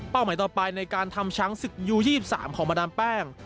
หมายต่อไปในการทำช้างศึกยู๒๓ของมาดามแป้ง